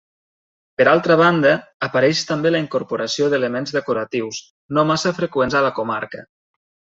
Per altra banda, apareix també la incorporació d'elements decoratius, no massa freqüents a la comarca.